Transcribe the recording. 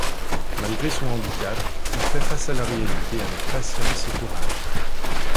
Malgré son handicap, il fait face à la réalité avec patience et courage.